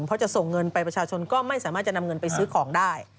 เพราะจะส่งเงินไปประชาชนก็ไม่สามารถจะนำเงินไปซื้อของได้